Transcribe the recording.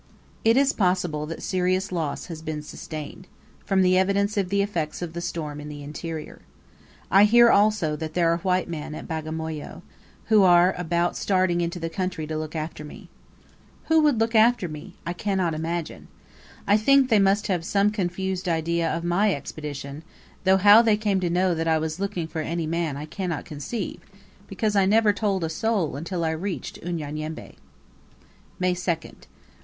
It is possible that serious loss has been sustained, from the evidences of the effects of the storm in the interior. I hear, also, that there are white men at Bagamoyo, who are about starting into the country to look after me (?). Who would look after me, I cannot imagine. I think they must have some confused idea of my Expedition; though, how they came to know that I was looking for any man I cannot conceive, because I never told a soul until I reached Unyanyembe. May 2nd.